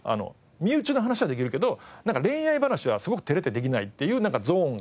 身内の話はできるけど恋愛話はすごく照れてできないっていうゾーンがあって。